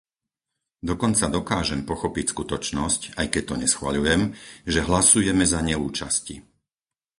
Dokonca dokážem pochopiť skutočnosť, aj keď to neschvaľujem, že hlasujeme za neúčasti.